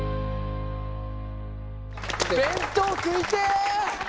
弁当食いてえ！